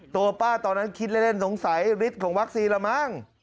ตัวป้าตอนนั้นคิดเล่นสงสัยฤทธิ์ของวัคซีนละมั้ง